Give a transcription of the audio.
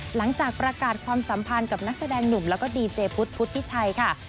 หลังจากประกาศความสัมพันธ์กับนักแสดงหนุ่มแล้วก็ดีเจพุทธพุทธิชัยค่ะ